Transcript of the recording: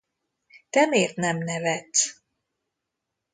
Te mért nem nevetsz?